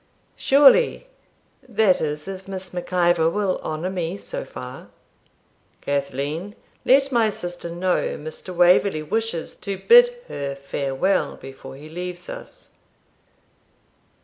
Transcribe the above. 'Surely that is, if Miss Mac Ivor will honour me so far.' 'Cathleen, let my sister know Mr. Waverley wishes to bid her farewell before he leaves us.